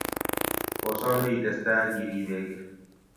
kosome itestai ak iribekei